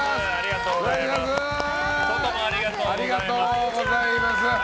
外もありがとうございます。